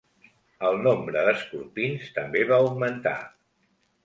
El nombre d'escorpins també va augmentar.